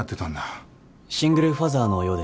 シングルファザーのようでして。